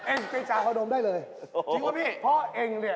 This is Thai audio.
เองเป็นจาพนนมได้เลย